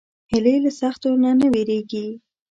هیلۍ له سختیو نه نه وېرېږي